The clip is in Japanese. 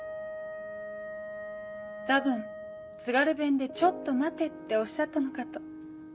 多分津軽弁で「ちょっと待て」っておっしゃったのかと。